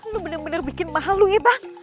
lu bener bener bikin malu ya bang